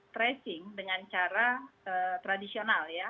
tracing dengan cara tradisional ya